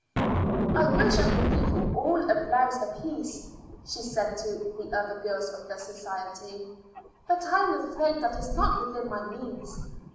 "I wish I could give you all a blouse apiece," she said to the other girls of the society, "but I am afraid that is not within my means.